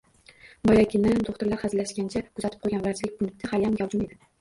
Boyagina do`xtirlar hazillashgancha kuzatib qo`ygan vrachlik punkti haliyam gavjum edi